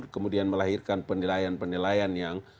kemudian melahirkan penilaian penilaian yang